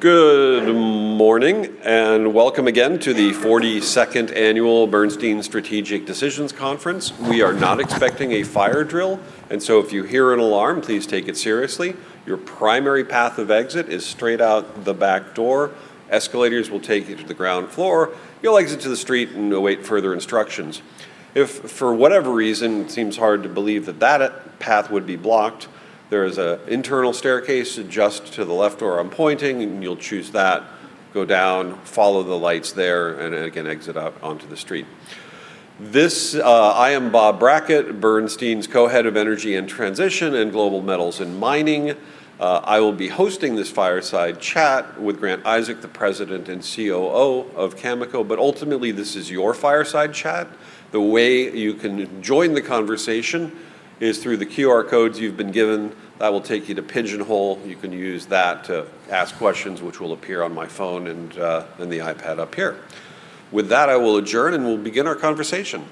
Good morning, and welcome again to the 42nd Annual Bernstein Strategic Decisions Conference. We are not expecting a fire drill, and so if you hear an alarm, please take it seriously. Your primary path of exit is straight out the back door. Escalators will take you to the ground floor. You'll exit to the street and await further instructions. If, for whatever reason, it seems hard to believe that that path would be blocked, there is an internal staircase just to the left where I'm pointing, and you'll choose that. Go down, follow the lights there, and again, exit out onto the street. I am Bob Brackett, Bernstein's Co-Head of Energy and Transition and Global Metals and Mining. I will be hosting this fireside chat with Grant Isaac, the President and COO of Cameco, but ultimately, this is your fireside chat. The way you can join the conversation is through the QR codes you've been given, that will take you to Pigeonhole. You can use that to ask questions, which will appear on my phone and then the iPad up here. With that, I will adjourn, and we'll begin our conversation.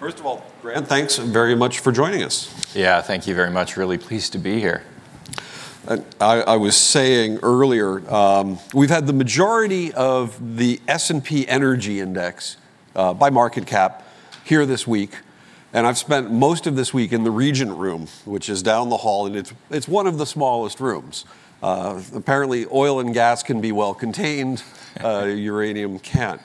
First of all, Grant, thanks very much for joining us. Yeah, thank you very much. Really pleased to be here. I was saying earlier, we've had the majority of the S&P Energy Index by market cap here this week, and I've spent most of this week in the Regent Room, which is down the hall, and it's one of the smallest rooms. Apparently, oil and gas can be well-contained, uranium can't.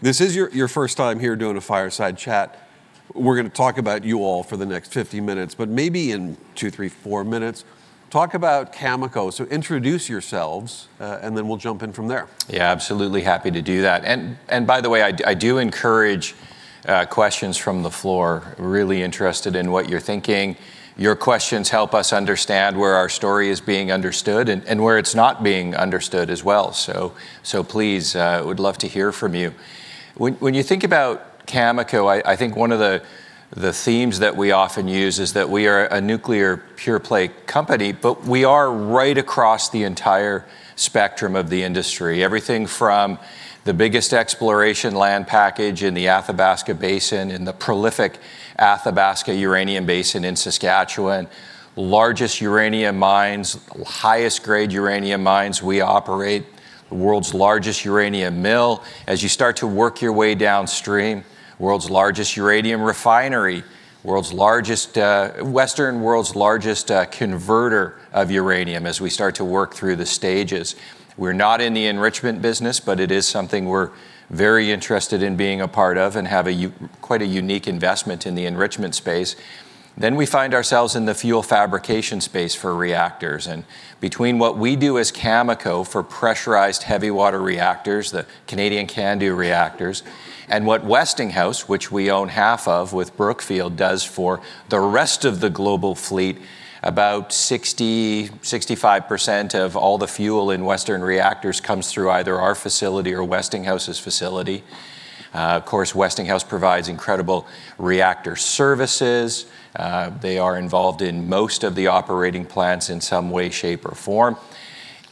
This is your first time here doing a fireside chat. We're going to talk about you all for the next 50 minutes, but maybe in two, three, four minutes, talk about Cameco. Introduce yourselves, and then we'll jump in from there. Yeah, absolutely happy to do that. By the way, I do encourage questions from the floor. Really interested in what you're thinking. Your questions help us understand where our story is being understood and where it's not being understood as well. Please, would love to hear from you. When you think about Cameco, I think one of the themes that we often use is that we are a nuclear pure-play company, but we are right across the entire spectrum of the industry. Everything from the biggest exploration land package in the Athabasca Basin, in the prolific Athabasca uranium basin in Saskatchewan, largest uranium mines, highest grade uranium mines. We operate the world's largest uranium mill. As you start to work your way downstream, world's largest uranium refinery, Western World's largest converter of uranium as we start to work through the stages. We're not in the enrichment business, but it is something we're very interested in being a part of and have quite a unique investment in the enrichment space. We find ourselves in the fuel fabrication space for reactors, and between what we do as Cameco for pressurized heavy water reactors, the Canadian CANDU reactors, and what Westinghouse, which we own half of with Brookfield, does for the rest of the global fleet. About 65% of all the fuel in Western reactors comes through either our facility or Westinghouse's facility. Of course, Westinghouse provides incredible reactor services. They are involved in most of the operating plants in some way, shape, or form,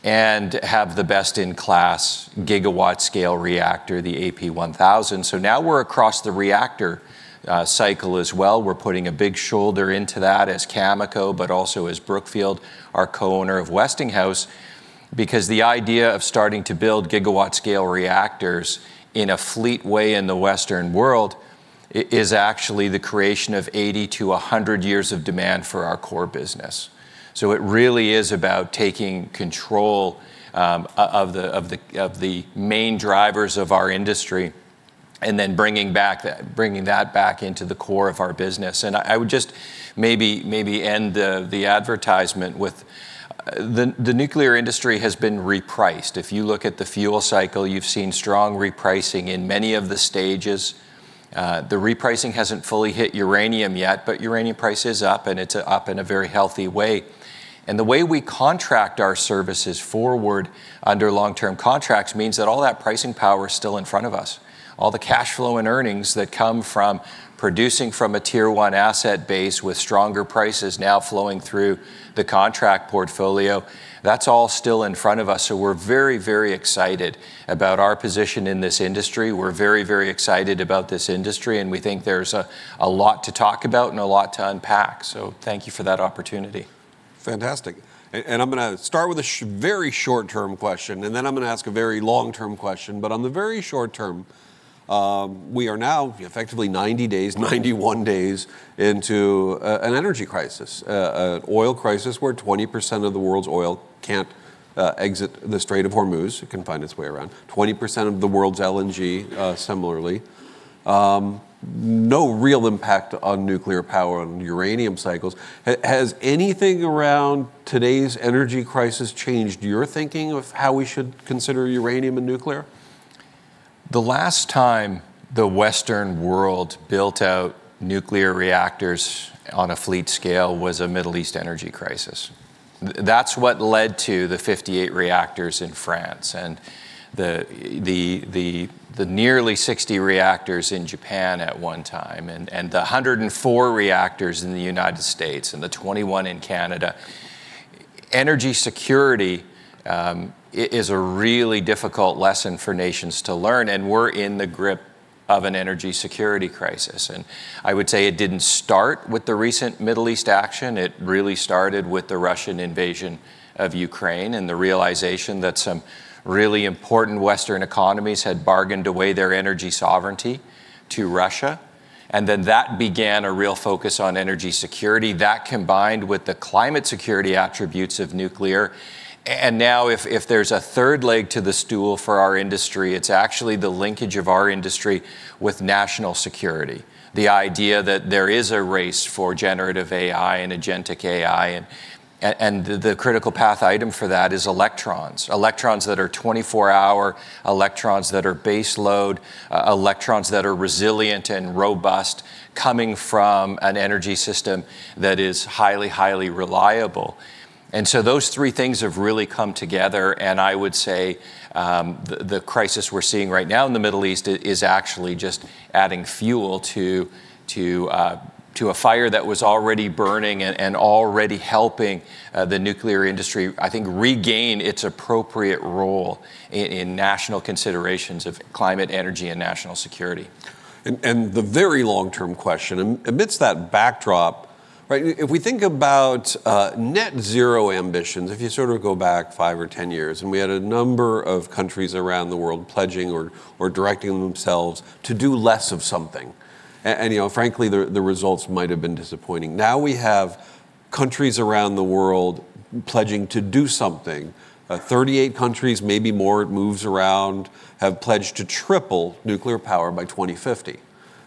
and have the best-in-class gigawatt scale reactor, the AP1000. Now we're across the reactor cycle as well. We're putting a big shoulder into that as Cameco, but also as Brookfield, our co-owner of Westinghouse, because the idea of starting to build gigawatt scale reactors in a fleet way in the Western world is actually the creation of 80-100 years of demand for our core business. It really is about taking control of the main drivers of our industry and then bringing that back into the core of our business. I would just maybe end the advertisement with the nuclear industry has been repriced. If you look at the fuel cycle, you've seen strong repricing in many of the stages. The repricing hasn't fully hit uranium yet, but uranium price is up, and it's up in a very healthy way. The way we contract our services forward under long-term contracts means that all that pricing power is still in front of us. All the cash flow and earnings that come from producing from a Tier 1 asset base with stronger prices now flowing through the contract portfolio, that's all still in front of us. We're very, very excited about our position in this industry. We're very, very excited about this industry, and we think there's a lot to talk about and a lot to unpack. Thank you for that opportunity. Fantastic. I'm going to start with a very short-term question, and then I'm going to ask a very long-term question. On the very short-term, we are now effectively 90 days, 91 days into an energy crisis, an oil crisis where 20% of the world's oil can't exit the Strait of Hormuz. It can find its way around. 20% of the world's LNG, similarly. No real impact on nuclear power, on uranium cycles. Has anything around today's energy crisis changed your thinking of how we should consider uranium and nuclear? The last time the Western world built out nuclear reactors on a fleet scale was a Middle East energy crisis. That's what led to the 58 reactors in France and the nearly 60 reactors in Japan at one time, and the 104 reactors in the U.S. and the 21 in Canada. Energy security is a really difficult lesson for nations to learn, and we're in the grip of an energy security crisis. I would say it didn't start with the recent Middle East action, it really started with the Russian invasion of Ukraine and the realization that some really important Western economies had bargained away their energy sovereignty to Russia. That began a real focus on energy security. That combined with the climate security attributes of nuclear. Now if there's a third leg to the stool for our industry, it's actually the linkage of our industry with national security. The idea that there is a race for generative AI and agentic AI, the critical path item for that is electrons. Electrons that are 24-hour, electrons that are base load, electrons that are resilient and robust, coming from an energy system that is highly reliable. Those three things have really come together, and I would say, the crisis we're seeing right now in the Middle East is actually just adding fuel to a fire that was already burning and already helping the nuclear industry, I think, regain its appropriate role in national considerations of climate, energy, and national security. The very long-term question, amidst that backdrop, if we think about net zero ambitions, if you go back five or 10 years, and we had a number of countries around the world pledging or directing themselves to do less of something. Frankly, the results might've been disappointing. Now we have countries around the world pledging to do something. 38 countries, maybe more, it moves around, have pledged to triple nuclear power by 2050.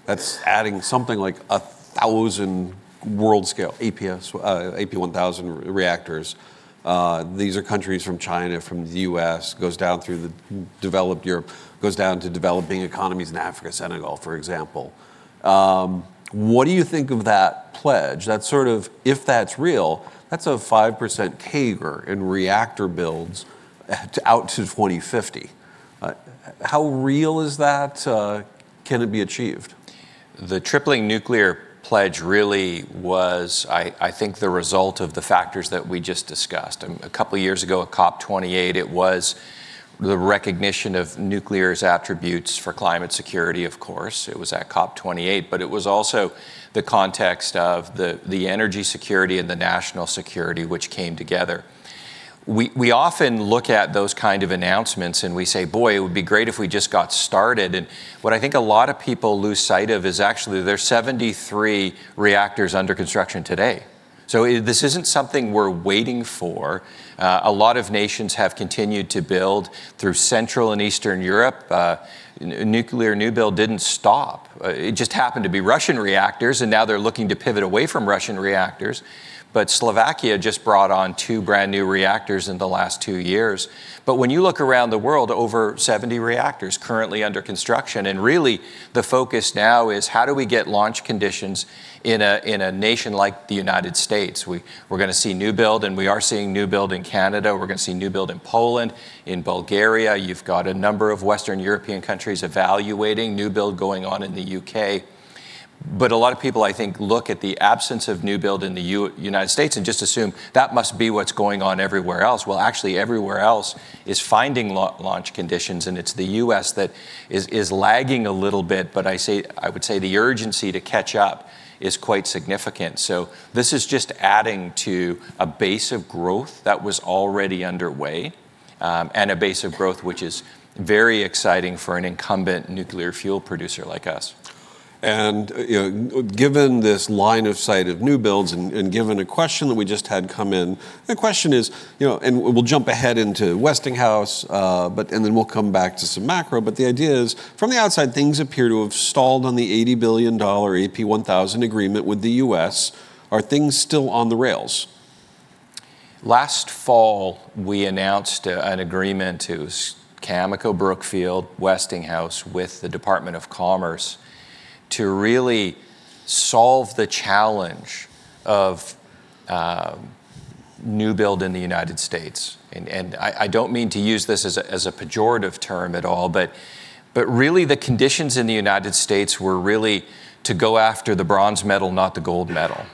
That's adding something like 1,000 world scale AP1000 reactors. These are countries from China, from the U.S., goes down through the developed Europe, goes down to developing economies in Africa, Senegal, for example. What do you think of that pledge? That sort of, if that's real, that's a 5% CAGR in reactor builds out to 2050. How real is that? Can it be achieved? The tripling nuclear pledge really was, I think, the result of the factors that we just discussed. A couple of years ago at COP28, it was the recognition of nuclear's attributes for climate security, of course. It was at COP28. It was also the context of the energy security and the national security which came together. We often look at those kind of announcements and we say, boy, it would be great if we just got started. What I think a lot of people lose sight of is actually there's 73 reactors under construction today. This isn't something we're waiting for. A lot of nations have continued to build through Central and Eastern Europe. Nuclear new build didn't stop. It just happened to be Russian reactors, and now they're looking to pivot away from Russian reactors. Slovakia just brought on two brand-new reactors in the last two years. When you look around the world, over 70 reactors currently under construction, and really the focus now is how do we get launch conditions in a nation like the United States? We're going to see new build, and we are seeing new build in Canada. We're going to see new build in Poland, in Bulgaria. You've got a number of Western European countries evaluating new build going on in the U.K. A lot of people, I think, look at the absence of new build in the United States and just assume that must be what's going on everywhere else. Well, actually everywhere else is finding launch conditions, and it's the U.S. that is lagging a little bit. I would say the urgency to catch up is quite significant. This is just adding to a base of growth that was already underway, and a base of growth which is very exciting for an incumbent nuclear fuel producer like us. Given this line of sight of new builds and given a question that we just had come in, the question is, and we'll jump ahead into Westinghouse, and then we'll come back to some macro. The idea is from the outside, things appear to have stalled on the $80 billion AP1000 agreement with the U.S. Are things still on the rails? Last fall, we announced an agreement to Cameco, Brookfield, Westinghouse, with the Department of Commerce to really solve the challenge of new build in the U.S. I don't mean to use this as a pejorative term at all, but really the conditions in the U.S. were really to go after the bronze medal, not the gold medal.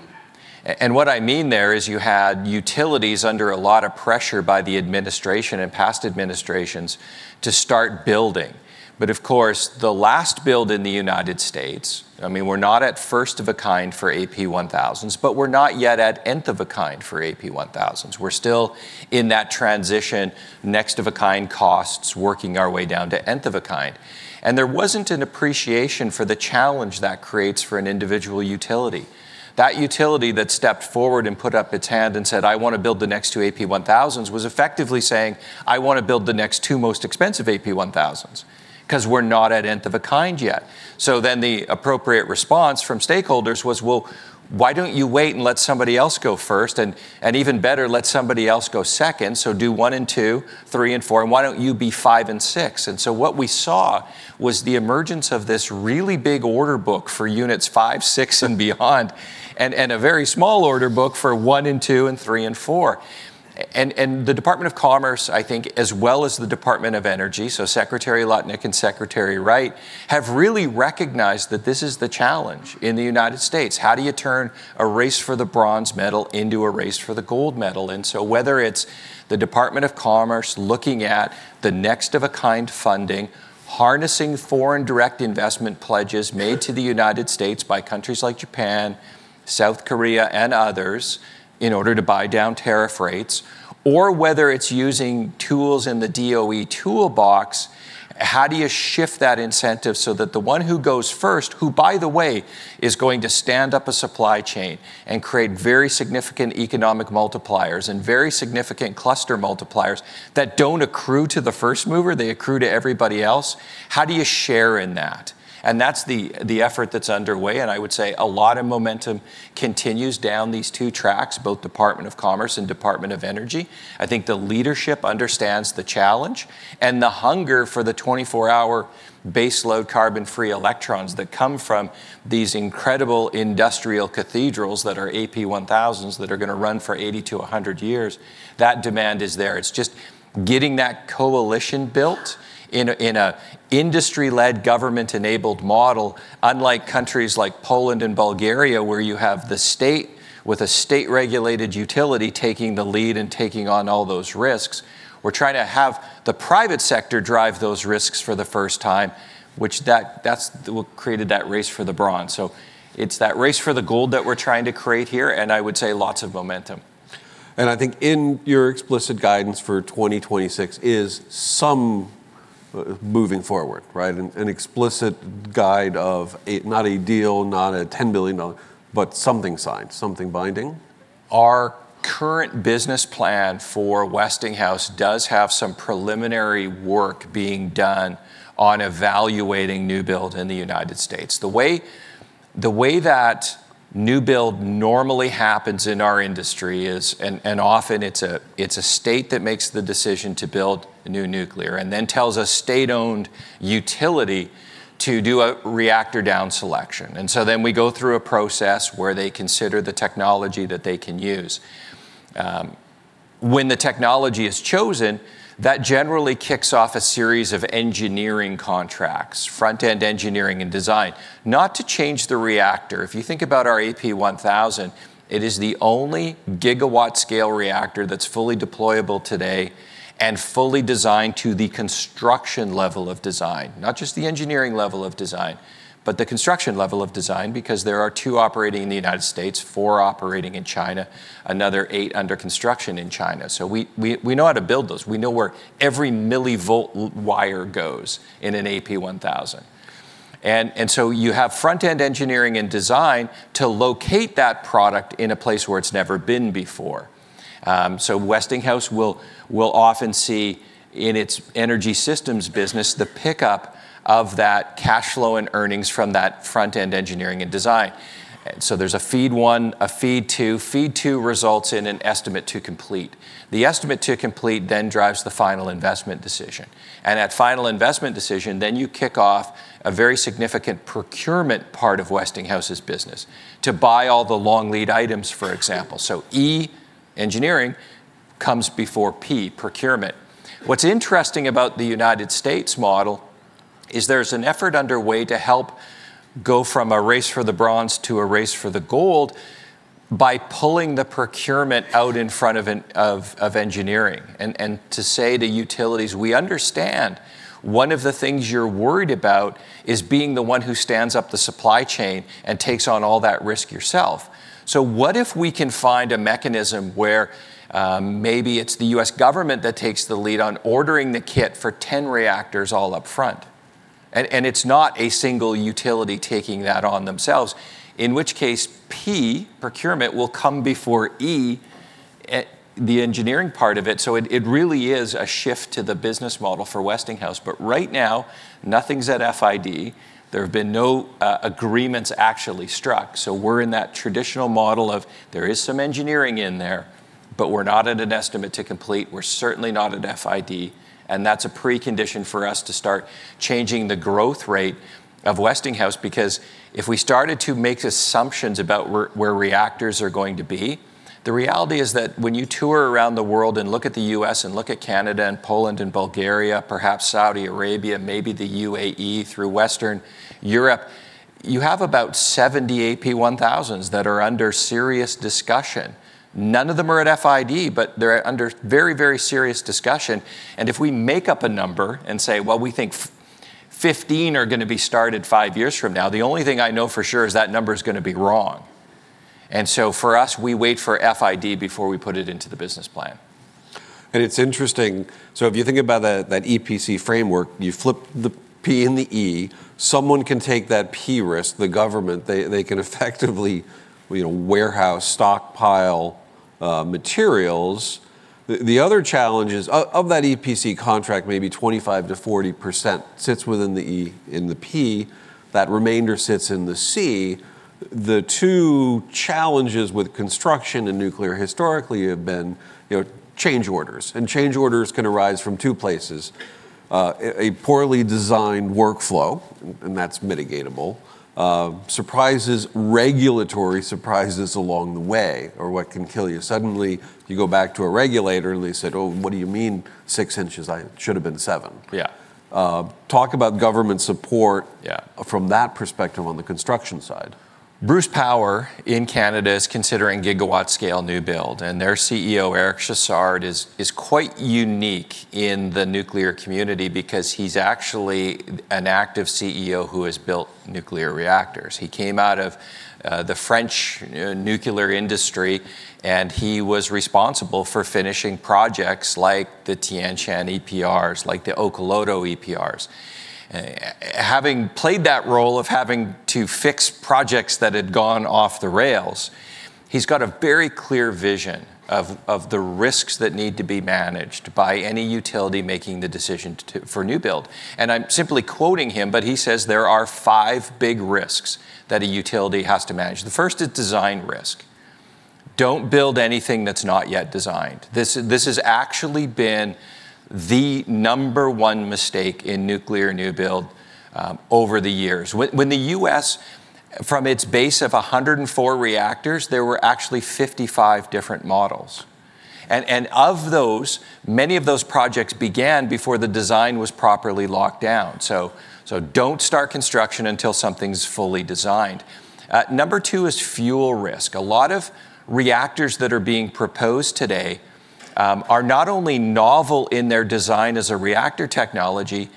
What I mean there is you had utilities under a lot of pressure by the administration and past administrations to start building. Of course, the last build in the U.S., we're not at first of a kind for AP1000s, but we're not yet at nth of a kind for AP1000s. We're still in that transition, next of a kind costs, working our way down to nth of a kind. There wasn't an appreciation for the challenge that creates for an individual utility. That utility that stepped forward and put up its hand and said, I want to build the next two AP1000s, was effectively saying, I want to build the next two most expensive AP1000s, because we're not at nth of a kind yet. The appropriate response from stakeholders was, well, why don't you wait and let somebody else go first? Even better, let somebody else go second. Do one and two, three and four, and why don't you be five and six What we saw was the emergence of this really big order book for units five, six, and beyond, and a very small order book for one and two and three and four. The Department of Commerce, I think, as well as the Department of Energy, so Secretary Lutnick and Secretary Wright, have really recognized that this is the challenge in the United States. How do you turn a race for the bronze medal into a race for the gold medal? Whether it's the Department of Commerce looking at the next of a kind funding, harnessing foreign direct investment pledges made to the United States by countries like Japan, South Korea, and others in order to buy down tariff rates, or whether it's using tools in the DOE toolbox, how do you shift that incentive so that the one who goes first, who by the way, is going to stand up a supply chain and create very significant economic multipliers and very significant cluster multipliers that don't accrue to the first mover, they accrue to everybody else. How do you share in that? That's the effort that's underway, and I would say a lot of momentum continues down these two tracks, both Department of Commerce and Department of Energy. I think the leadership understands the challenge and the hunger for the 24-hour base load carbon-free electrons that come from these incredible industrial cathedrals that are AP1000s that are going to run for 80 to 100 years. That demand is there. It's just getting that coalition built in a industry-led, government-enabled model, unlike countries like Poland and Bulgaria, where you have the state with a state-regulated utility taking the lead and taking on all those risks. We're trying to have the private sector drive those risks for the first time, which that's what created that race for the bronze. It's that race for the gold that we're trying to create here, and I would say lots of momentum. I think in your explicit guidance for 2026 is some moving forward, right? An explicit guide of not a deal, not a 10 billion, but something signed, something binding. Our current business plan for Westinghouse does have some preliminary work being done on evaluating new build in the U.S. The way that new build normally happens in our industry is, often it's a state that makes the decision to build new nuclear, tells a state-owned utility to do a reactor down selection. We go through a process where they consider the technology that they can use. When the technology is chosen, that generally kicks off a series of engineering contracts, front-end engineering and design, not to change the reactor. If you think about our AP1000, it is the only gigawatt scale reactor that's fully deployable today and fully designed to the construction level of design. Not just the engineering level of design, but the construction level of design because there are two operating in the United States, four operating in China, another eight under construction in China. We know how to build those. We know where every millivolt wire goes in an AP1000. You have front-end engineering and design to locate that product in a place where it's never been before. Westinghouse will often see in its energy systems business, the pickup of that cashflow and earnings from that front-end engineering and design. There's a Feed 1, a Feed 2. Feed 2 results in an estimate to complete. The estimate to complete drives the final investment decision. At final investment decision, you kick off a very significant procurement part of Westinghouse's business to buy all the long lead items, for example. E, engineering, comes before P, procurement. What's interesting about the United States model is there's an effort underway to help go from a race for the bronze to a race for the gold by pulling the procurement out in front of engineering. To say to utilities, we understand one of the things you're worried about is being the one who stands up the supply chain and takes on all that risk yourself. What if we can find a mechanism where maybe it's the U.S. government that takes the lead on ordering the kit for 10 reactors all up front, and it's not a single utility taking that on themselves. In which case, P, procurement, will come before E, the engineering part of it. It really is a shift to the business model for Westinghouse. Right now, nothing's at FID. There have been no agreements actually struck. We're in that traditional model of there is some engineering in there, but we're not at an estimate to complete. We're certainly not at FID, and that's a precondition for us to start changing the growth rate of Westinghouse, because if we started to make assumptions about where reactors are going to be. The reality is that when you tour around the world and look at the U.S. and look at Canada and Poland and Bulgaria, perhaps Saudi Arabia, maybe the UAE through Western Europe, you have about 70 AP1000s that are under serious discussion. None of them are at FID, they're under very serious discussion. If we make up a number and say, well, we think 15 are going to be started five years from now, the only thing I know for sure is that number's going to be wrong. For us, we wait for FID before we put it into the business plan. It's interesting. If you think about that EPC framework, you flip the P and the E, someone can take that P risk, the government, they can effectively warehouse, stockpile materials. The other challenge is of that EPC contract, maybe 25%-40% sits within the E and the P, that remainder sits in the C. The two challenges with construction in nuclear historically have been change orders. Change orders can arise from two places. A poorly designed workflow, and that's mitigatable. Regulatory surprises along the way are what can kill you. Suddenly, you go back to a regulator and they said, oh, what do you mean 6 inches? Should've been 7 inches. Talk about government support. From that perspective on the construction side. Bruce Power in Canada is considering gigawatt scale new build. Their CEO, Eric Chassard, is quite unique in the nuclear community because he's actually an active CEO who has built nuclear reactors. He came out of the French nuclear industry, and he was responsible for finishing projects like the Taishan EPRs, like the Olkiluoto EPRs. Having played that role of having to fix projects that had gone off the rails, he's got a very clear vision of the risks that need to be managed by any utility making the decision for new build. I'm simply quoting him, but he says there are five big risks that a utility has to manage. The first is design risk. Don't build anything that's not yet designed. This has actually been the number one mistake in nuclear new build over the years. When the U.S., from its base of 104 reactors, there were actually 55 different models. Of those, many of those projects began before the design was properly locked down. Don't start construction until something's fully designed. Number two is fuel risk. A lot of reactors that are being proposed today are not only novel in their design as a reactor technology,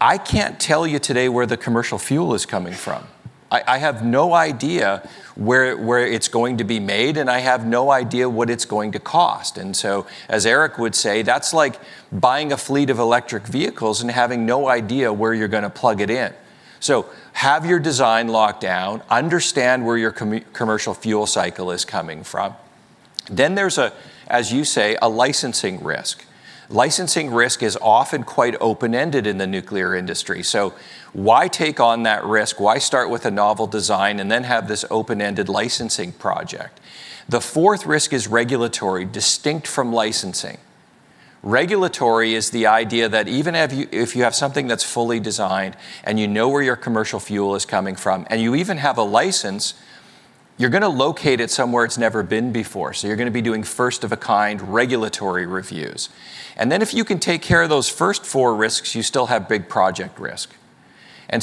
I can't tell you today where the commercial fuel is coming from. I have no idea where it's going to be made, and I have no idea what it's going to cost. As Eric would say, that's like buying a fleet of electric vehicles and having no idea where you're going to plug it in. Have your design locked down, understand where your commercial fuel cycle is coming from. There's, as you say, a licensing risk. Licensing risk is often quite open-ended in the nuclear industry. Why take on that risk? Why start with a novel design and then have this open-ended licensing project? The fourth risk is regulatory, distinct from licensing. Regulatory is the idea that even if you have something that's fully designed and you know where your commercial fuel is coming from, and you even have a license, you're going to locate it somewhere it's never been before. You're going to be doing first-of-a-kind regulatory reviews. Then if you can take care of those first four risks, you still have big project risk.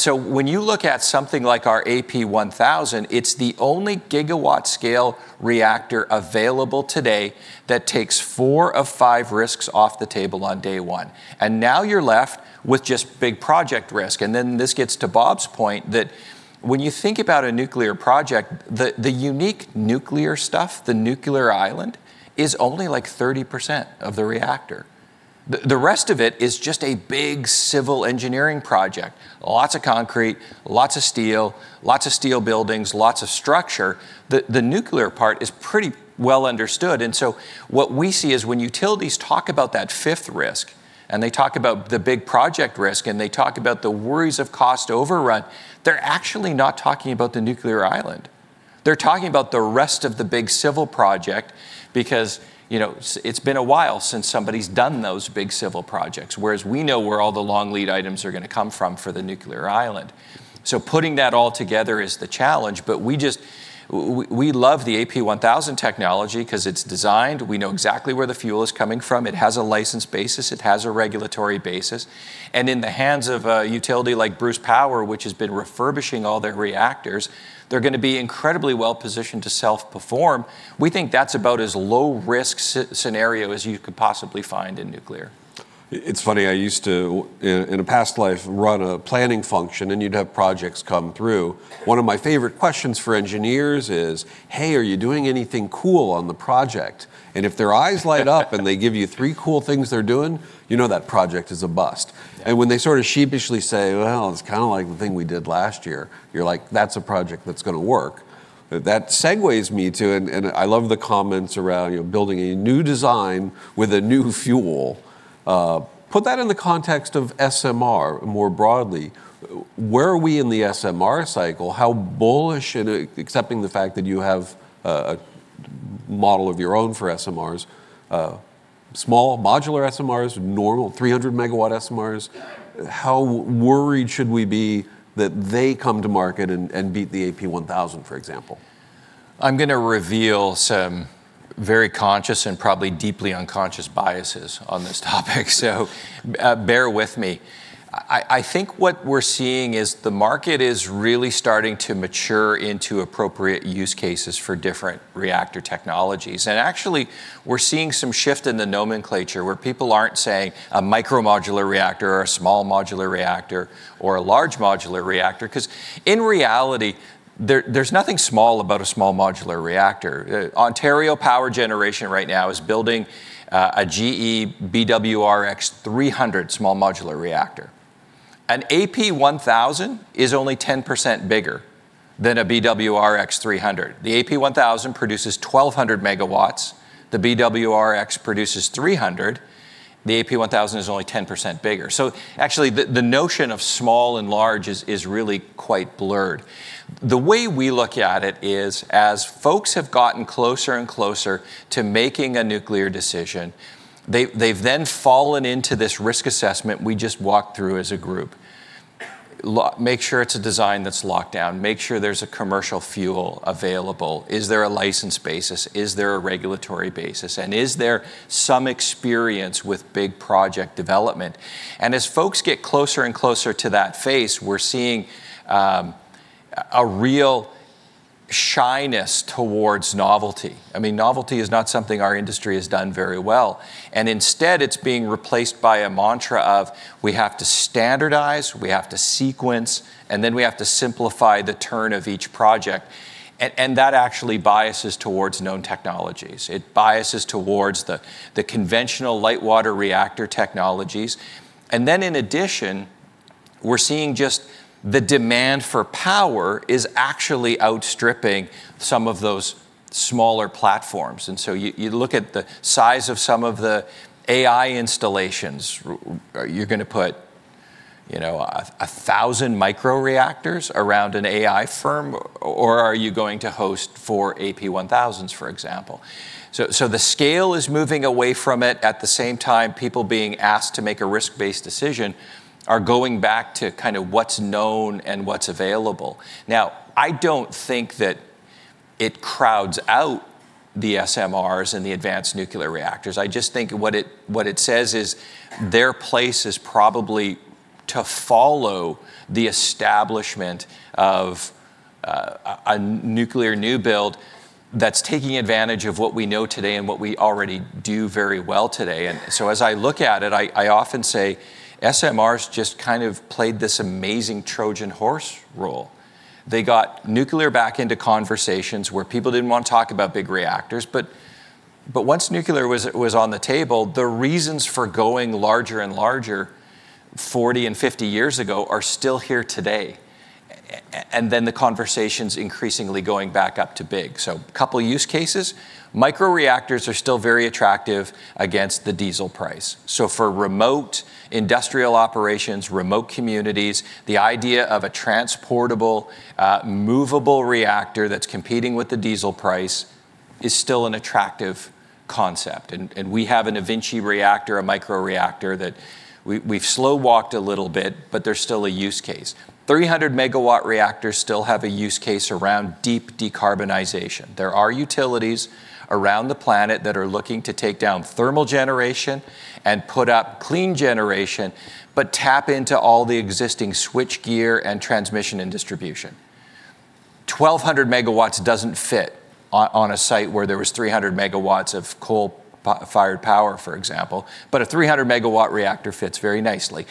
When you look at something like our AP1000, it's the only gigawatt scale reactor available today that takes four of five risks off the table on day one. Now you're left with just big project risk. This gets to Bob's point that when you think about a nuclear project, the unique nuclear stuff, the nuclear island, is only like 30% of the reactor. The rest of it is just a big civil engineering project. Lots of concrete, lots of steel, lots of steel buildings, lots of structure. The nuclear part is pretty well understood. What we see is when utilities talk about that fifth risk, and they talk about the big project risk, and they talk about the worries of cost overrun, they're actually not talking about the nuclear island. They're talking about the rest of the big civil project because it's been a while since somebody's done those big civil projects, whereas we know where all the long lead items are going to come from for the nuclear island. Putting that all together is the challenge, but we love the AP1000 technology because it's designed, we know exactly where the fuel is coming from. It has a license basis. It has a regulatory basis. In the hands of a utility like Bruce Power, which has been refurbishing all their reactors, they're going to be incredibly well-positioned to self-perform. We think that's about as low risk scenario as you could possibly find in nuclear. It's funny, I used to, in a past life, run a planning function, and you'd have projects come through. One of my favorite questions for engineers is, hey, are you doing anything cool on the project? If their eyes light up and they give you three cool things they're doing, you know that project is a bust. When they sort of sheepishly say, well, it's kind of like the thing we did last year, you're like, that's a project that's going to work. That segues me to, and I love the comments around building a new design with a new fuel. Put that in the context of SMR more broadly. Where are we in the SMR cycle? How bullish, accepting the fact that you have a model of your own for SMRs, small modular SMRs, normal 300MW SMRs? How worried should we be that they come to market and beat the AP1000, for example? I'm going to reveal some very conscious and probably deeply unconscious biases on this topic, so bear with me. I think what we're seeing is the market is really starting to mature into appropriate use cases for different reactor technologies. Actually, we're seeing some shift in the nomenclature where people aren't saying a micro-modular reactor or a small modular reactor or a large modular reactor, because in reality, there's nothing small about a small modular reactor. Ontario Power Generation right now is building a GE BWRX-300 small modular reactor. An AP1000 is only 10% bigger than a BWRX-300. The AP1000 produces 1,200 MW. The BWRX-300 produces 300 MW. The AP1000 is only 10% bigger. Actually, the notion of small and large is really quite blurred. The way we look at it is as folks have gotten closer and closer to making a nuclear decision, they've then fallen into this risk assessment we just walked through as a group. Make sure it's a design that's locked down. Make sure there's a commercial fuel available. Is there a license basis? Is there a regulatory basis? Is there some experience with big project development? As folks get closer and closer to that phase, we're seeing a real shyness towards novelty. Novelty is not something our industry has done very well, and instead, it's being replaced by a mantra of we have to standardize, we have to sequence, and then we have to simplify the turn of each project, and that actually biases towards known technologies. It biases towards the conventional light water reactor technologies. In addition, we're seeing just the demand for power is actually outstripping some of those smaller platforms. You look at the size of some of the AI installations. Are you going to put 1,000 microreactors around an AI firm, or are you going to host four AP1000s, for example? The scale is moving away from it. At the same time, people being asked to make a risk-based decision are going back to what's known and what's available. I don't think that it crowds out the SMRs and the advanced nuclear reactors. I just think what it says is their place is probably to follow the establishment of a nuclear new build that's taking advantage of what we know today and what we already do very well today. As I look at it, I often say SMRs just kind of played this amazing Trojan horse role. They got nuclear back into conversations where people didn't want to talk about big reactors. Once nuclear was on the table, the reasons for going larger and larger 40 and 50 years ago are still here today. The conversation's increasingly going back up to big. Couple use cases. Microreactors are still very attractive against the diesel price. For remote industrial operations, remote communities, the idea of a transportable, movable reactor that's competing with the diesel price is still an attractive concept, and we have an eVinci reactor, a microreactor, that we've slow walked a little bit, but there's still a use case. 300 MW reactors still have a use case around deep decarbonization. There are utilities around the planet that are looking to take down thermal generation and put up clean generation, but tap into all the existing switch gear and transmission and distribution. 1,200 MW doesn't fit on a site where there was 300 MW of coal-fired power, for example, but a 300-MW reactor fits very nicely.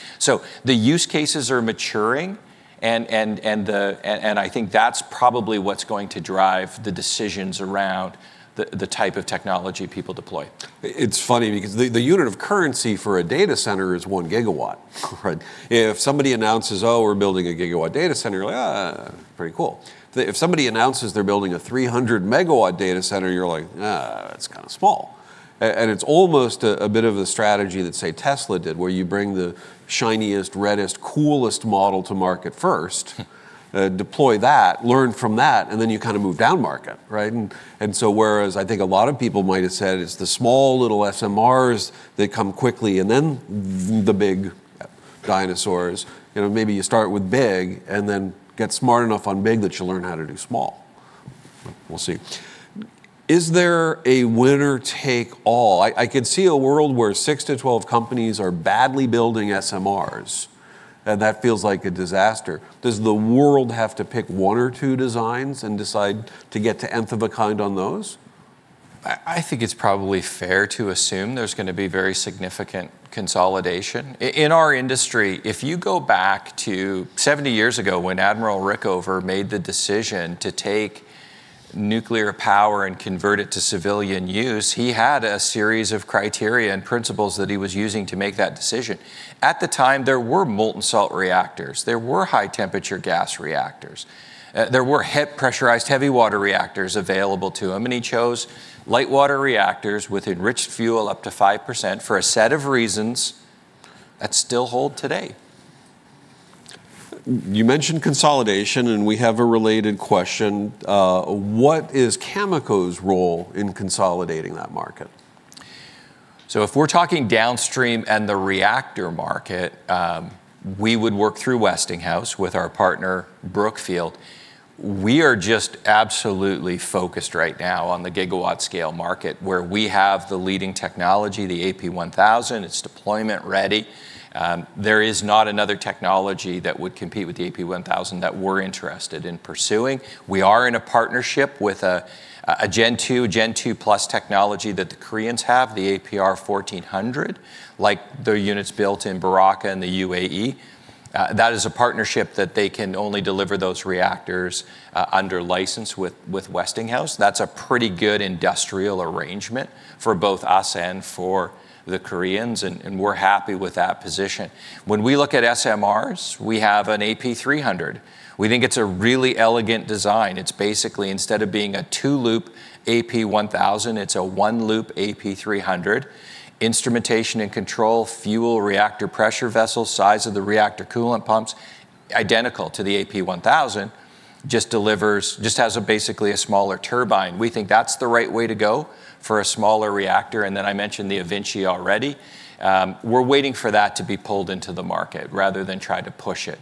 The use cases are maturing, and I think that's probably what's going to drive the decisions around the type of technology people deploy. It's funny because the unit of currency for a data center is 1 GW. If somebody announces, oh, we're building 1 GW data center, you're like, pretty cool. If somebody announces they're building a 300 MW data center, you're like, it's kind of small. It's almost a bit of the strategy that, say, Tesla did, where you bring the shiniest, reddest, coolest model to market first, deploy that, learn from that, and then you kind of move down market, right? Whereas I think a lot of people might have said it's the small little SMRs that come quickly and then the big dinosaurs. Maybe you start with big and then get smart enough on big that you learn how to do small. We'll see. Is there a winner-take-all? I could see a world where six to 12 companies are badly building SMRs, and that feels like a disaster. Does the world have to pick one or two designs and decide to get to Nth of a kind on those? I think it's probably fair to assume there's going to be very significant consolidation. In our industry, if you go back to 70 years ago when Admiral Rickover made the decision to take nuclear power and convert it to civilian use, he had a series of criteria and principles that he was using to make that decision. At the time, there were molten salt reactors, there were high-temperature gas reactors, there were pressurized heavy water reactors available to him, and he chose light water reactors with enriched fuel up to 5% for a set of reasons that still hold today. You mentioned consolidation. We have a related question. What is Cameco's role in consolidating that market? If we're talking downstream and the reactor market, we would work through Westinghouse with our partner Brookfield. We are just absolutely focused right now on the gigawatt scale market where we have the leading technology, the AP1000. It's deployment-ready. There is not another technology that would compete with the AP1000 that we're interested in pursuing. We are in a partnership with a Gen II, Gen II plus technology that the Koreans have, the APR1400, like the units built in Barakah in the UAE. That is a partnership that they can only deliver those reactors under license with Westinghouse. That's a pretty good industrial arrangement for both us and for the Koreans, and we're happy with that position. When we look at SMRs, we have an AP300. We think it's a really elegant design. It's basically instead of being a two-loop AP1000, it's a one-loop AP300. Instrumentation and control, fuel reactor pressure vessel, size of the reactor coolant pumps, identical to the AP1000, just has basically a smaller turbine. We think that's the right way to go for a smaller reactor. I mentioned eVinci already. We're waiting for that to be pulled into the market rather than try to push it.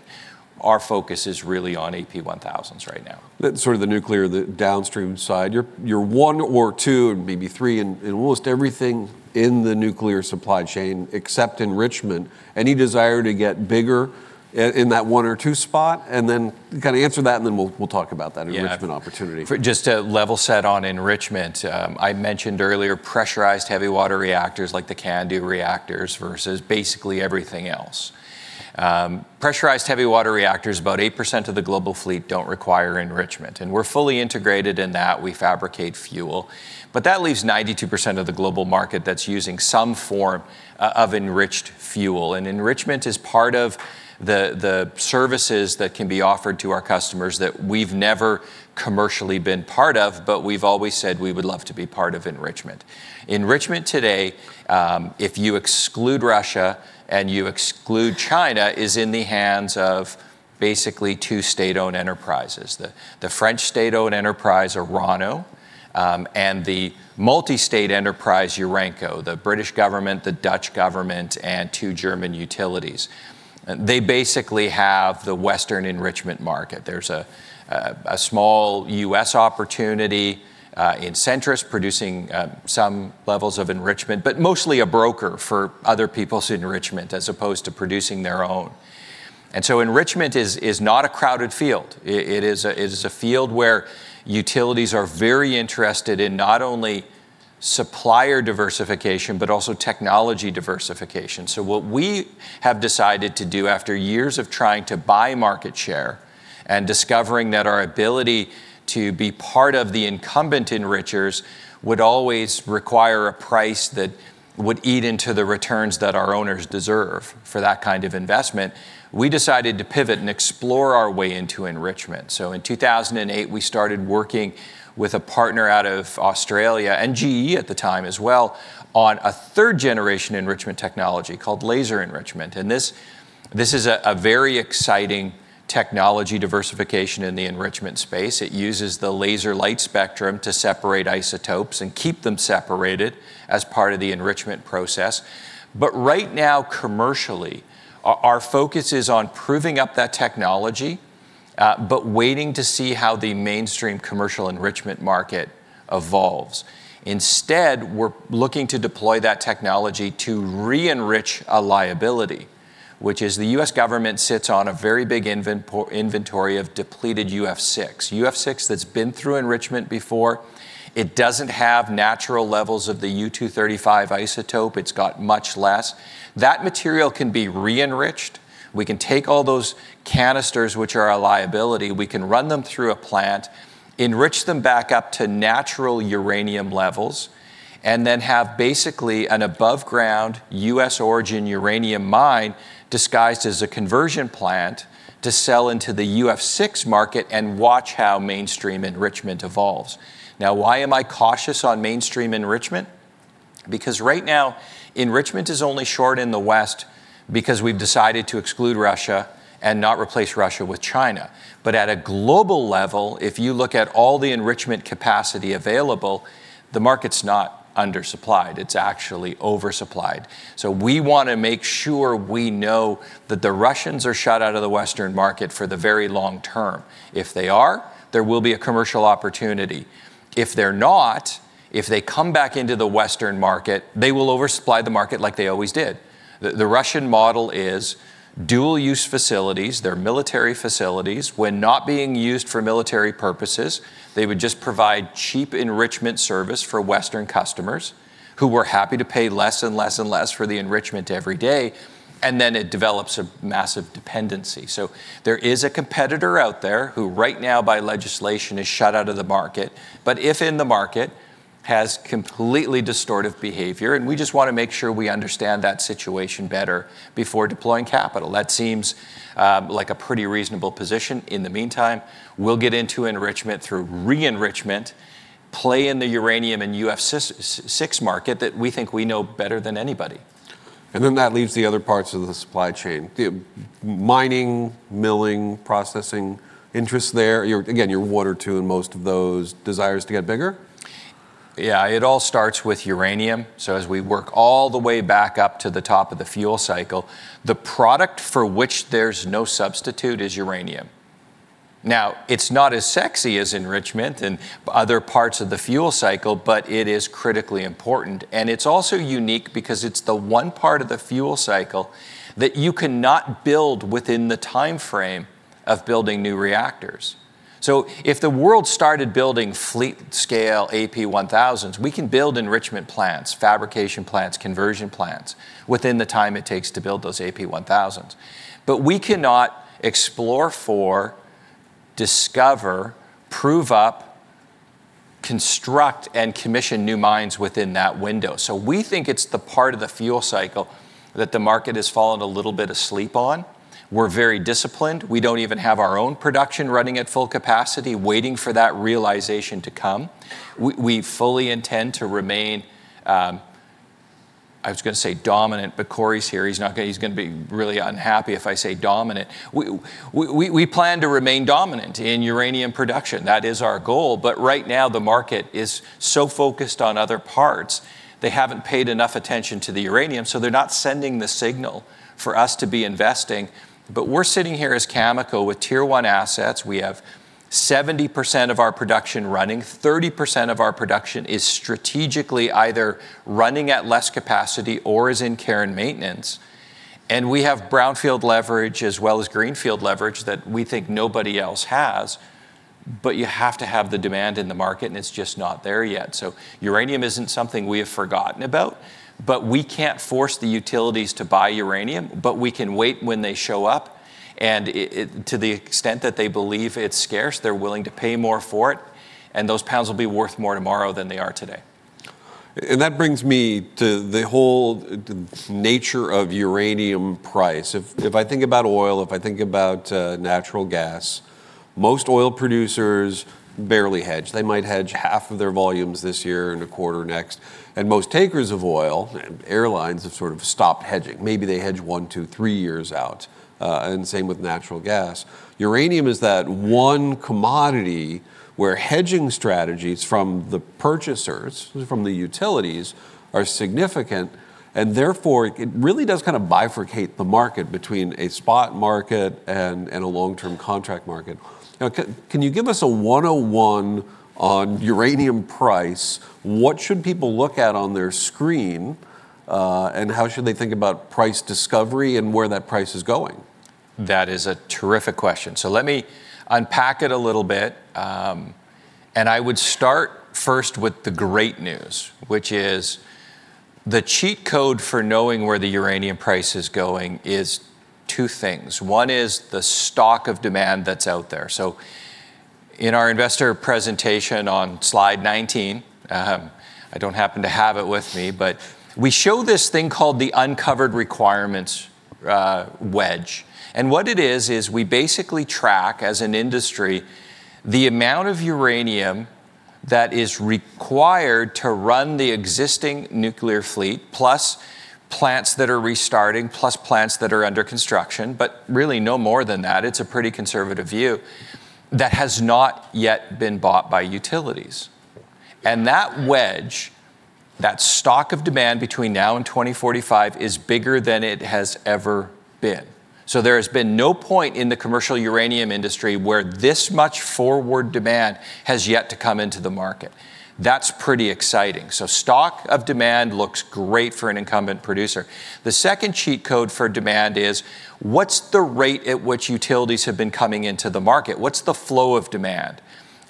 Our focus is really on AP1000s right now. That's sort of the nuclear, the downstream side. You're one or two and maybe three in almost everything in the nuclear supply chain except enrichment. Any desire to get bigger in that one or two spot? Kind of answer that, and then we'll talk about that enrichment opportunity. Just to level set on enrichment, I mentioned earlier pressurized heavy water reactors like the CANDU reactors versus basically everything else. Pressurized heavy water reactors, about 8% of the global fleet don't require enrichment, and we're fully integrated in that. We fabricate fuel. That leaves 92% of the global market that's using some form of enriched fuel. Enrichment is part of the services that can be offered to our customers that we've never commercially been part of, but we've always said we would love to be part of enrichment. Enrichment today, if you exclude Russia and you exclude China, is in the hands of basically two state-owned enterprises, the French state-owned enterprise Orano, and the multi-state enterprise Urenco, the British government, the Dutch government, and two German utilities. They basically have the Western enrichment market. There's a small U.S. opportunity in Centrus producing some levels of enrichment, but mostly a broker for other people's enrichment as opposed to producing their own. Enrichment is not a crowded field. It is a field where utilities are very interested in not only supplier diversification but also technology diversification. What we have decided to do after years of trying to buy market share and discovering that our ability to be part of the incumbent enrichers would always require a price that would eat into the returns that our owners deserve for that kind of investment, we decided to pivot and explore our way into enrichment. In 2008, we started working with a partner out of Australia, and GE at the time as well, on a third-generation enrichment technology called laser enrichment. This is a very exciting technology diversification in the enrichment space. It uses the laser light spectrum to separate isotopes and keep them separated as part of the enrichment process. Right now, commercially, our focus is on proving up that technology but waiting to see how the mainstream commercial enrichment market evolves. We're looking to deploy that technology to re-enrich a liability, which is the U.S. government sits on a very big inventory of depleted UF6. UF6 that's been through enrichment before. It doesn't have natural levels of the U235 isotope. It's got much less. That material can be re-enriched. We can take all those canisters, which are a liability. We can run them through a plant, enrich them back up to natural uranium levels, and then have basically an above-ground, U.S.-origin uranium mine disguised as a conversion plant to sell into the UF6 market and watch how mainstream enrichment evolves. Why am I cautious on mainstream enrichment? Because right now, enrichment is only short in the West because we've decided to exclude Russia and not replace Russia with China. At a global level, if you look at all the enrichment capacity available, the market's not undersupplied, it's actually oversupplied. We want to make sure we know that the Russians are shut out of the Western market for the very long term. If they are, there will be a commercial opportunity. If they're not, if they come back into the Western market, they will oversupply the market like they always did. The Russian model is dual-use facilities. They're military facilities. When not being used for military purposes, they would just provide cheap enrichment service for Western customers who were happy to pay less and less and less for the enrichment every day, and then it develops a massive dependency. There is a competitor out there who right now by legislation is shut out of the market, but if in the market, has completely distortive behavior, and we just want to make sure we understand that situation better before deploying capital. That seems like a pretty reasonable position. In the meantime, we'll get into enrichment through re-enrichment, play in the uranium and UF6 market that we think we know better than anybody. That leaves the other parts of the supply chain. The mining, milling, processing interests there. Again, you're one or two in most of those. Desires to get bigger? Yeah, it all starts with uranium. As we work all the way back up to the top of the fuel cycle, the product for which there's no substitute is uranium. Now, it's not as sexy as enrichment and other parts of the fuel cycle, but it is critically important. It's also unique because it's the one part of the fuel cycle that you cannot build within the timeframe of building new reactors. If the world started building fleet scale AP1000s, we can build enrichment plants, fabrication plants, conversion plants within the time it takes to build those AP1000s. We cannot explore for, discover, prove up, construct, and commission new mines within that window. We think it's the part of the fuel cycle that the market has fallen a little bit asleep on. We're very disciplined. We don't even have our own production running at full capacity, waiting for that realization to come. We fully intend to remain, I was going to say dominant, but Cory's here. He's going to be really unhappy if I say dominant. We plan to remain dominant in uranium production. That is our goal, but right now the market is so focused on other parts, they haven't paid enough attention to the uranium, so they're not sending the signal for us to be investing. We're sitting here as Cameco with Tier 1 assets. We have 70% of our production running. 30% of our production is strategically either running at less capacity or is in care and maintenance. We have brownfield leverage as well as greenfield leverage that we think nobody else has. You have to have the demand in the market, and it's just not there yet. Uranium isn't something we have forgotten about, but we can't force the utilities to buy uranium, but we can wait when they show up, and to the extent that they believe it's scarce, they're willing to pay more for it, and those pounds will be worth more tomorrow than they are today. That brings me to the whole nature of uranium price. If I think about oil, if I think about natural gas, most oil producers barely hedge. They might hedge half of their volumes this year and a quarter next. Most takers of oil, airlines have sort of stopped hedging. Maybe they hedge one, two, three years out. Same with natural gas. Uranium is that one commodity where hedging strategies from the purchasers, from the utilities, are significant, and therefore it really does kind of bifurcate the market between a spot market and a long-term contract market. Now, can you give us a 101 on uranium price? What should people look at on their screen, and how should they think about price discovery and where that price is going? That is a terrific question. Let me unpack it a little bit. I would start first with the great news, which is the cheat code for knowing where the uranium price is going is two things. One is the stock of demand that's out there. In our investor presentation on slide 19, I don't happen to have it with me, but we show this thing called the uncovered requirements wedge. What it is we basically track, as an industry, the amount of uranium that is required to run the existing nuclear fleet, plus plants that are restarting, plus plants that are under construction, but really no more than that, it's a pretty conservative view, that has not yet been bought by utilities. That wedge, that stock of demand between now and 2045 is bigger than it has ever been. There has been no point in the commercial uranium industry where this much forward demand has yet to come into the market. That's pretty exciting. Stock of demand looks great for an incumbent producer. The second cheat code for demand is, what's the rate at which utilities have been coming into the market? What's the flow of demand?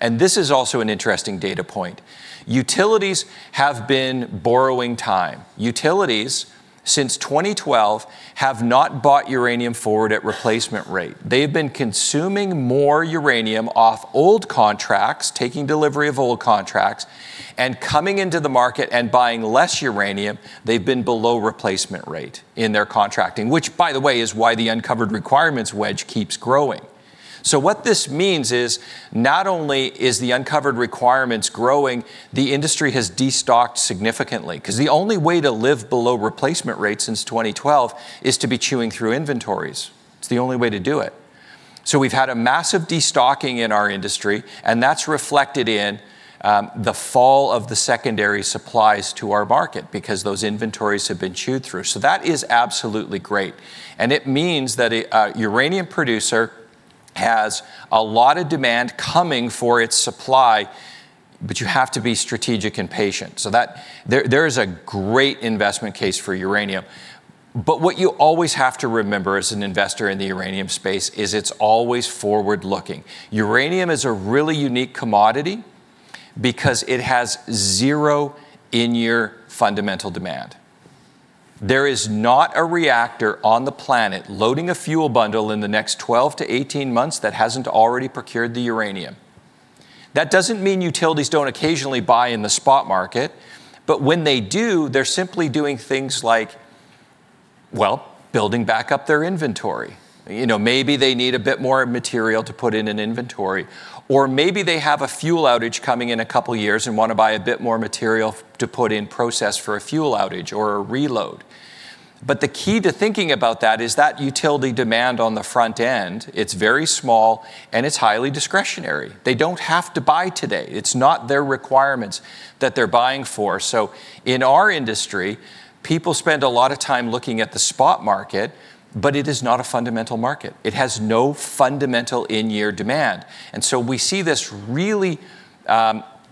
This is also an interesting data point. Utilities have been borrowing time. Utilities, since 2012, have not bought uranium forward at replacement rate. They've been consuming more uranium off old contracts, taking delivery of old contracts, and coming into the market and buying less uranium. They've been below replacement rate in their contracting, which, by the way, is why the uncovered requirements wedge keeps growing. What this means is, not only is the uncovered requirements growing, the industry has destocked significantly because the only way to live below replacement rate since 2012 is to be chewing through inventories. It's the only way to do it. We've had a massive destocking in our industry, and that's reflected in the fall of the secondary supplies to our market because those inventories have been chewed through. That is absolutely great. It means that a uranium producer has a lot of demand coming for its supply, but you have to be strategic and patient. There is a great investment case for uranium. What you always have to remember as an investor in the uranium space is it's always forward-looking. Uranium is a really unique commodity because it has zero in-year fundamental demand. There is not a reactor on the planet loading a fuel bundle in the next 12 to 18 months that hasn't already procured the uranium. That doesn't mean utilities don't occasionally buy in the spot market, but when they do, they're simply doing things like, well, building back up their inventory. Maybe they need a bit more material to put in an inventory, or maybe they have a fuel outage coming in a couple of years and want to buy a bit more material to put in process for a fuel outage or a reload. The key to thinking about that is that utility demand on the front end, it's very small and it's highly discretionary. They don't have to buy today. It's not their requirements that they're buying for. In our industry, people spend a lot of time looking at the spot market, but it is not a fundamental market. It has no fundamental in-year demand. We see this really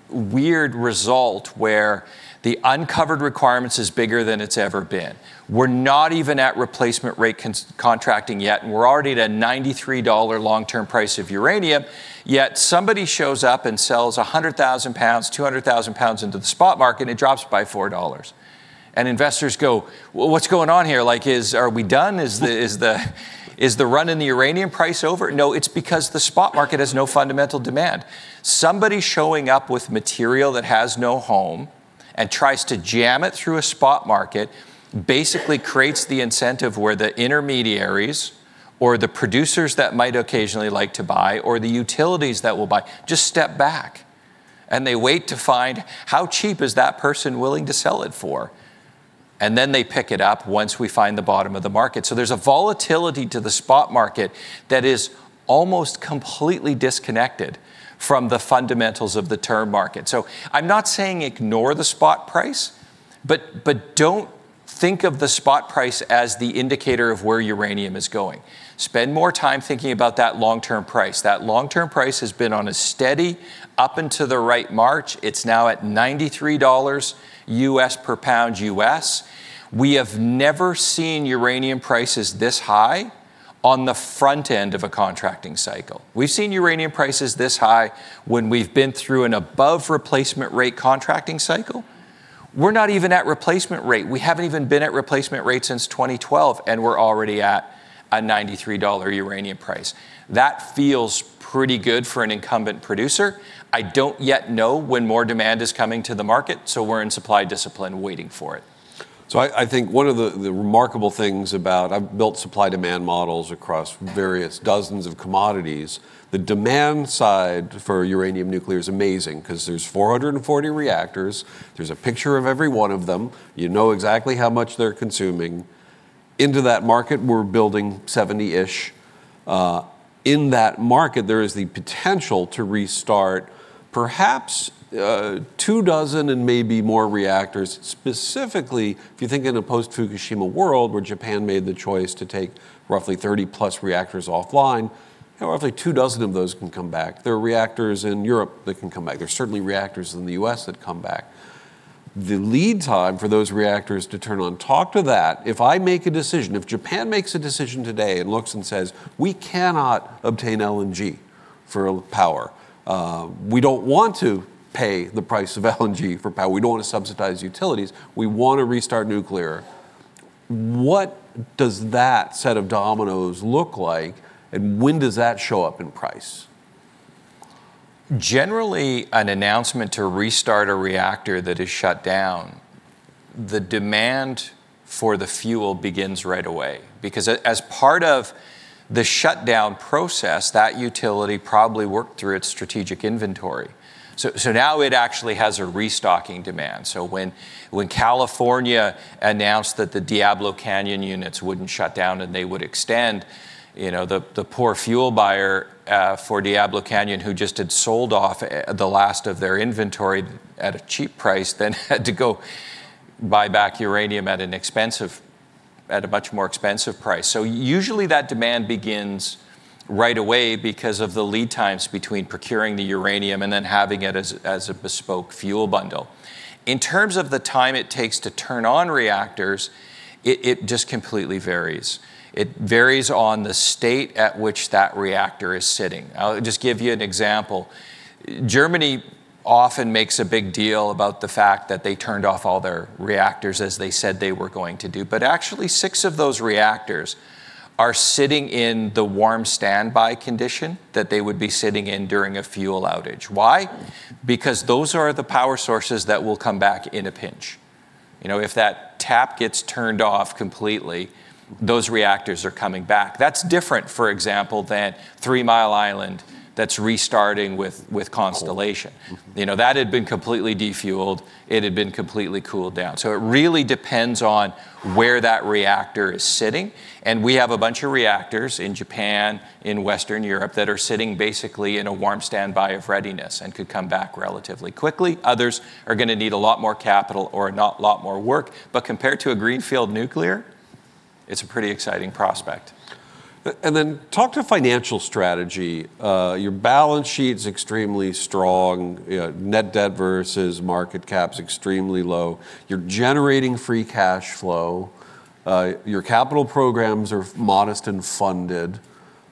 weird result where the uncovered requirements is bigger than it's ever been. We're not even at replacement rate contracting yet, and we're already at a $93 long-term price of uranium. Yet somebody shows up and sells 100,000 pounds, 200,000 pounds into the spot market, and it drops by $4. Investors go, well, what's going on here? Are we done? Is the run in the uranium price over? No, it's because the spot market has no fundamental demand. Somebody showing up with material that has no home and tries to jam it through a spot market basically creates the incentive where the intermediaries or the producers that might occasionally like to buy, or the utilities that will buy, just step back. They wait to find how cheap is that person willing to sell it for. Then they pick it up once we find the bottom of the market. There's a volatility to the spot market that is almost completely disconnected from the fundamentals of the term market. I'm not saying ignore the spot price, but don't think of the spot price as the indicator of where uranium is going. Spend more time thinking about that long-term price. That long-term price has been on a steady up and to the right march. It's now at $93 U.S. per pound U.S. We have never seen uranium prices this high on the front end of a contracting cycle. We have seen uranium prices this high when we have been through above replacement rate contracting cycle. We are not even at replacement rate. We haven't been in a replacement cycle since 2012. We are already at $93 uranium price. That feels pretty good for an incumbent producer. I don't yet know when more demand is coming to the market. So we are in supply discipline waiting for it. I think one of the remarkable things about. I've built supply-demand models across various dozens of commodities. The demand side for uranium nuclear is amazing because there's 440 reactors. There's a picture of every one of them. You know exactly how much they're consuming. Into that market, we're building 70-ish. In that market, there is the potential to restart perhaps two dozen and maybe more reactors. Specifically, if you think in a post-Fukushima world where Japan made the choice to take roughly 30+ reactors offline, roughly two dozen of those can come back. There are reactors in Europe that can come back. There's certainly reactors in the U.S. that come back. The lead time for those reactors to turn on, talk to that. If I make a decision, if Japan makes a decision today and looks and says, we cannot obtain LNG for power. We don't want to pay the price of LNG for power. We don't want to subsidize utilities. We want to restart nuclear." What does that set of dominoes look like, and when does that show up in price? Generally, an announcement to restart a reactor that is shut down, the demand for the fuel begins right away. As part of the shutdown process, that utility probably worked through its strategic inventory. Now it actually has a restocking demand. When California announced that the Diablo Canyon units wouldn't shut down and they would extend, the poor fuel buyer for Diablo Canyon who just had sold off the last of their inventory at a cheap price, then had to go buy back uranium at a much more expensive price. Usually, that demand begins right away because of the lead times between procuring the uranium and then having it as a bespoke fuel bundle. In terms of the time it takes to turn on reactors, it just completely varies. It varies on the state at which that reactor is sitting. I'll just give you an example. Germany often makes a big deal about the fact that they turned off all their reactors as they said they were going to do. Actually, six of those reactors are sitting in the warm standby condition that they would be sitting in during a fuel outage. Why? Because those are the power sources that will come back in a pinch. If that tap gets turned off completely, those reactors are coming back. That's different, for example, than Three Mile Island that's restarting with Constellation. That had been completely defueled. It had been completely cooled down. It really depends on where that reactor is sitting, and we have a bunch of reactors in Japan, in Western Europe, that are sitting basically in a warm standby of readiness and could come back relatively quickly. Others are going to need a lot more capital or a lot more work, but compared to a greenfield nuclear, it's a pretty exciting prospect. Talk to financial strategy. Your balance sheet's extremely strong. Net debt versus market cap's extremely low. You're generating free cash flow. Your capital programs are modest and funded.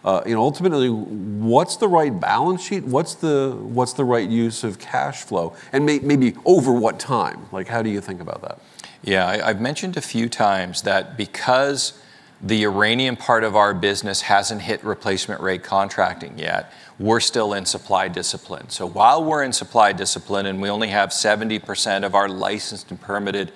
Ultimately, what's the right balance sheet? What's the right use of cash flow, and maybe over what time? How do you think about that? Yeah. I've mentioned a few times that because the uranium part of our business hasn't hit replacement rate contracting yet. We're still in supply discipline. While we're in supply discipline and we only have 70% of our licensed and permitted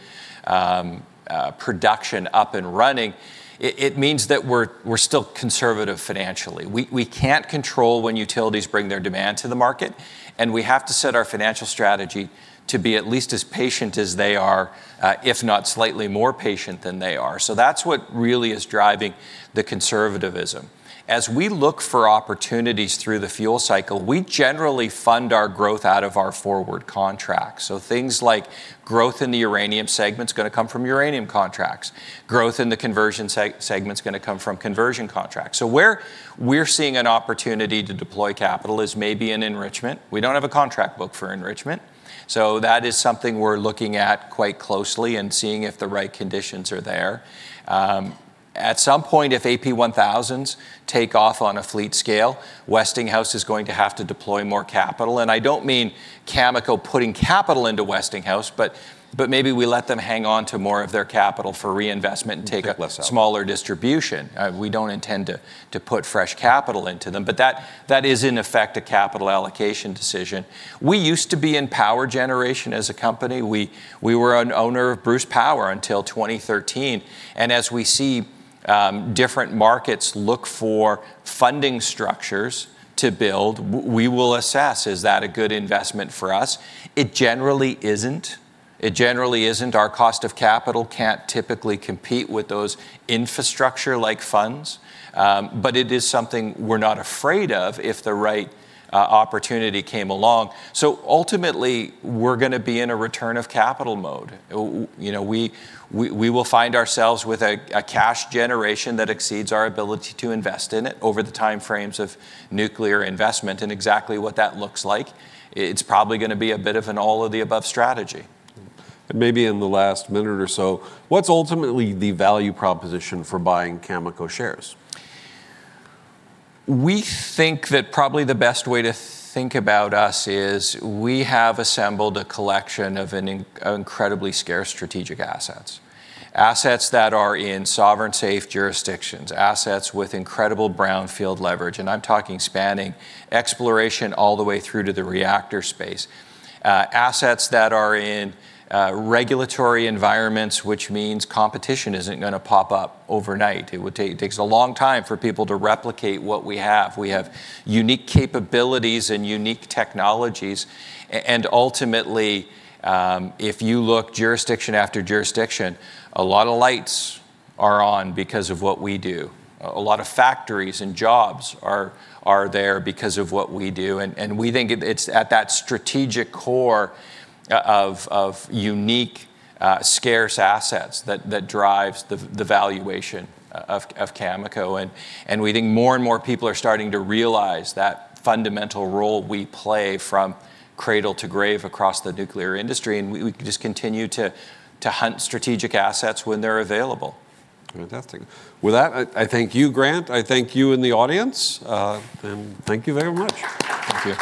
production up and running, it means that we're still conservative financially. We can't control when utilities bring their demand to the market, and we have to set our financial strategy to be at least as patient as they are, if not slightly more patient than they are. That's what really is driving the conservativism. As we look for opportunities through the fuel cycle, we generally fund our growth out of our forward contracts. Things like growth in the uranium segment is going to come from uranium contracts. Growth in the conversion segment is going to come from conversion contracts. Where we're seeing an opportunity to deploy capital is maybe in enrichment. We don't have a contract book for enrichment, that is something we're looking at quite closely and seeing if the right conditions are there. At some point, if AP1000s take off on a fleet scale, Westinghouse is going to have to deploy more capital. I don't mean Cameco putting capital into Westinghouse, but maybe we let them hang on to more of their capital for reinvestment. Take less out. a smaller distribution. We don't intend to put fresh capital into them. That is, in effect, a capital allocation decision. We used to be in power generation as a company. We were an owner of Bruce Power until 2013. As we see different markets look for funding structures to build, we will assess, is that a good investment for us? It generally isn't. It generally isn't. Our cost of capital can't typically compete with those infrastructure-like funds. It is something we're not afraid of if the right opportunity came along. Ultimately, we're going to be in a return of capital mode. We will find ourselves with a cash generation that exceeds our ability to invest in it over the time frames of nuclear investment. Exactly what that looks like, it's probably going to be a bit of an all of the above strategy. Maybe in the last minute or so, what's ultimately the value proposition for buying Cameco shares? We think that probably the best way to think about us is we have assembled a collection of incredibly scarce strategic assets. Assets that are in sovereign, safe jurisdictions, assets with incredible brownfield leverage. I'm talking spanning exploration all the way through to the reactor space. Assets that are in regulatory environments, which means competition isn't going to pop up overnight. It takes a long time for people to replicate what we have. We have unique capabilities and unique technologies. Ultimately, if you look jurisdiction after jurisdiction, a lot of lights are on because of what we do. A lot of factories and jobs are there because of what we do, and we think it's at that strategic core of unique, scarce assets that drives the valuation of Cameco. We think more and more people are starting to realize that fundamental role we play from cradle to grave across the nuclear industry, and we just continue to hunt strategic assets when they're available. Fantastic. With that, I thank you, Grant. I thank you in the audience. Thank you very much. Thank you.